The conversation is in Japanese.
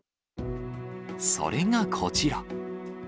それがこちら。